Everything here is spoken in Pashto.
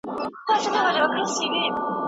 ته د گلاب په پاڼو پروت زه په اغزو یم روان